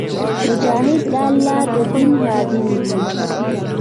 مجاهد د الله د دین خادم وي.